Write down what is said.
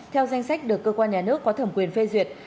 theo danh sách được cơ quan nhà nước có thẩm quyền phê duyệt